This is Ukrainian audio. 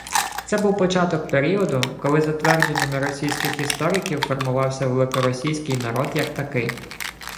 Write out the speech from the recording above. Це був початок періоду, коли, за твердженнями російських істориків, формувався «великоросійський» народ як такий